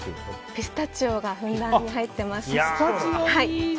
ピスタチオがふんだんに入ってます。